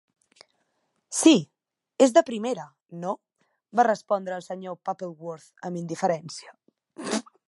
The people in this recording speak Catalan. "Sí, és de primera, no?", va respondre el Sr. Pappleworth amb indiferència.